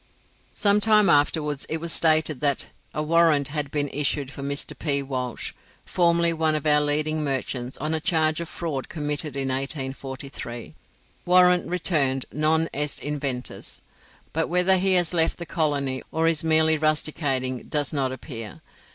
Some time afterwards it was stated that "a warrant had been issued for Mr P. Walsh, formerly one of our leading merchants, on a charge of fraud committed in 1843. Warrant returned 'non est inventus'; but whether he has left the colony, or is merely rusticating, does not appear.